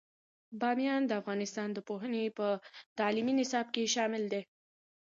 بامیان د افغانستان د پوهنې په تعلیمي نصاب کې شامل دی.